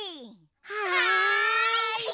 はい！